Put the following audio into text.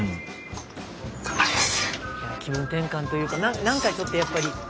気分転換というかなんかちょっとやっぱり。